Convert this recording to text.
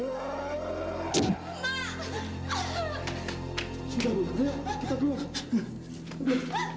sudah ayo kita keluar